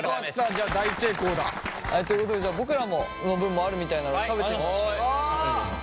じゃあ大成功だ！ということでじゃあ僕らの分もあるみたいなので食べてみましょう。